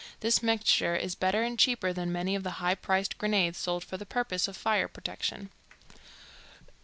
This mixture is better and cheaper than many of the high priced grenades sold for the purpose of fire protection.